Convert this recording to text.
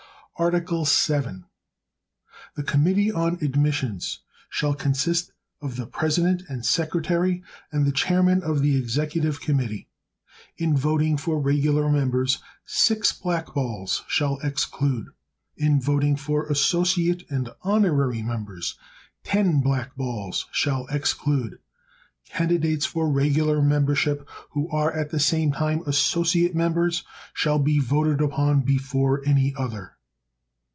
Article VII. The Committee on Admissions shall consist of the President and Secretary and the Chairman of the Executive Committee. In voting for regular members, six blackballs shall exclude. In voting for associate and honorary members, ten blackballs shall exclude. Candidates for regular membership who are at the same time associate members shall be voted upon before any other.